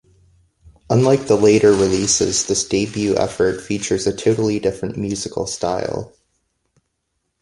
Unlike the later releases this debut effort features a totally different musical style.